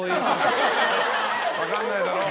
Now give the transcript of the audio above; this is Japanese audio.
分かんないだろ。